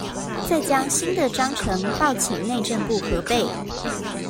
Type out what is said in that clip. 再將新的章程報請內政部核備